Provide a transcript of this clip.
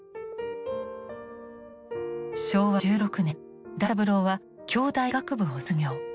昭和１６年大三郎は京大医学部を卒業。